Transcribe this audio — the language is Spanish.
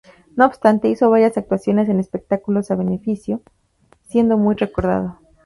No obstante, hizo varias actuaciones en espectáculos a beneficio, siendo muy recordado.